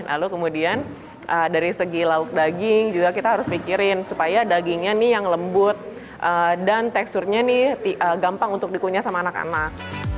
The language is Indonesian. lalu kemudian dari segi lauk daging juga kita harus mikirin supaya dagingnya nih yang lembut dan teksturnya nih gampang untuk dikunya sama anak anak